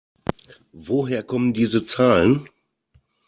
Woher kommen diese Zahlen?